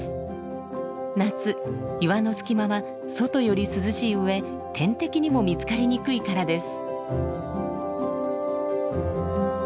夏岩の隙間は外より涼しい上天敵にも見つかりにくいからです。